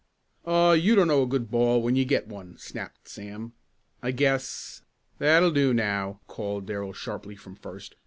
"Aw, you don't know a good ball when you get one," snapped Sam. "I guess " "That'll do now!" called Darrell sharply from first.